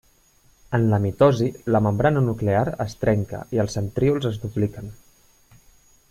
En la mitosi la membrana nuclear es trenca i els centríols es dupliquen.